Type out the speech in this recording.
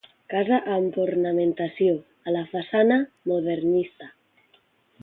Casa amb ornamentació, a la façana, modernista.